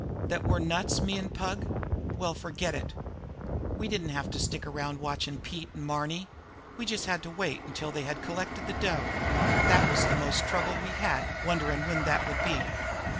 That we're nuts, me an' Pug? Well, forget it! We didn't have to stick around watchin' Pete an' Marny; we just had to wait until they had collected the dough. That was the most trouble we had wonderin' when that would be.